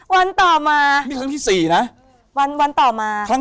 วันต่อมานี่ครั้งที่๔นะวันต่อมาครั้ง